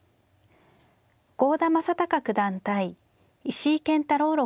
郷田真隆九段対石井健太郎六段。